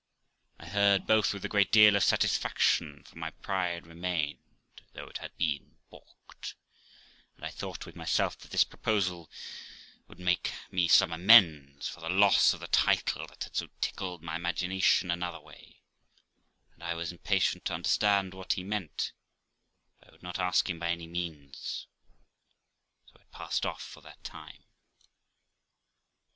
I heard both with a great deal of satisfaction, for my pride remained though it had been balked, and I thought with myself that this proposal would make me some amends for the loss of the title that had so tickled my imagination another way, and I was impatient to understand what he meant, but I would not ask him by any means; so it passed off for that time.